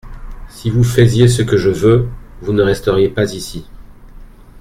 Si vous faisiez ce que je veux, vous ne resteriez pas ici.